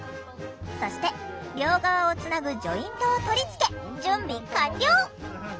そして両側をつなぐジョイントを取り付け準備完了！